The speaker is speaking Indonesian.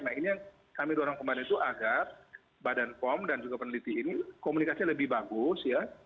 nah ini yang kami dorong kembali itu agar badan pom dan juga peneliti ini komunikasinya lebih bagus ya